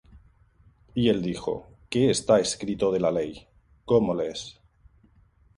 Y él dijo: ¿Qué está escrito de la ley? ¿cómo lees?